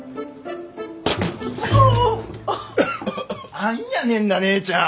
何やねんなねえちゃん！